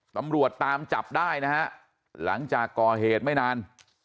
ตำรวจตามจับได้นะฮะหลังจากก่อเหตุไม่นาน